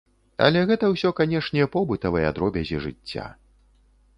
Але гэта ўсё канешне побытавыя дробязі жыцця.